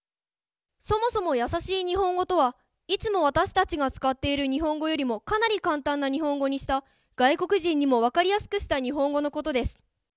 そもそも「やさしい日本語」とはいつも私たちが使っている日本語よりもかなり簡単な日本語にした外国人にも分かりやすくした日本語のことです。